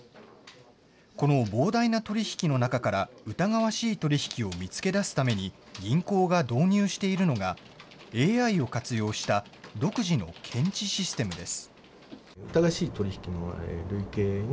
この膨大な取り引きの中から、疑わしい取り引きを見つけ出すために銀行が導入しているのが、ＡＩを活用した独自の検知システムです。